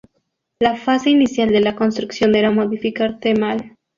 La fase inicial de la construcción era modificar The Mall.